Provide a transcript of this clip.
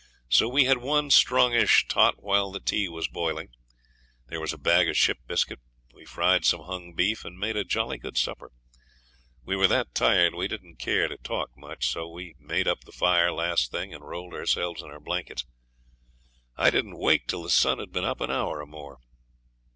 So we had one strongish tot while the tea was boiling. There was a bag of ship biscuit; we fried some hung beef, and made a jolly good supper. We were that tired we didn't care to talk much, so we made up the fire last thing and rolled ourselves in our blankets; I didn't wake till the sun had been up an hour or more.